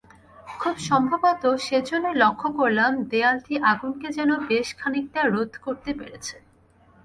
খুব সম্ভব সেজন্যেই লক্ষ করলাম, দেয়ালটি আগুনকে যেন বেশ খানিকটা রোধ করতে পেরেছে।